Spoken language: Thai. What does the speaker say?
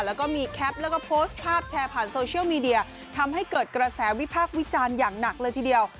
แล้วก็มีแคปแล้วก็โพสต์ภาพแชร์ผ่านโซเชียลมีเดียทำให้เกิดกระแสวิพากษ์วิจารณ์อย่างหนักเลยทีเดียว